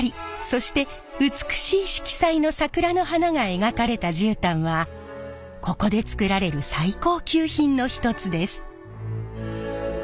そして美しい色彩の桜の花が描かれた絨毯はここで作られる最高級品の一つです。